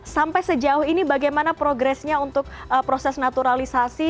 sampai sejauh ini bagaimana progresnya untuk proses naturalisasi